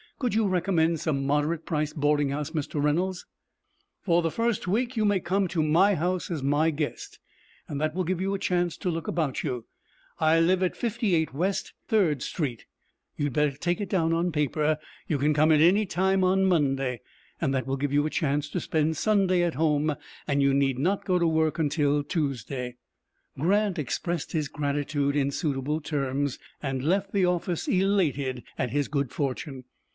Could you recommend some moderate priced boarding house, Mr. Reynolds?" "For the first week you may come to my house as my guest. That will give you a chance to look about you. I live at 58 West 3 th Street. You had better take it down on paper. You can come any time on Monday. That will give you a chance to spend Sunday at home, and you need not go to work till Tuesday." Grant expressed his gratitude in suitable terms, and left the office elated at his good fortune.